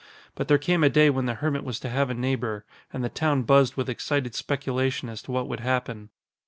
But there came a day when the hermit was to have a neighbor, and the town buzzed with excited speculation as to what would happen.